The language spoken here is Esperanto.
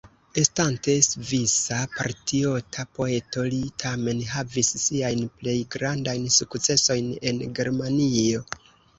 Estante svisa patriota poeto, li tamen havis siajn plej grandajn sukcesojn en Germanio.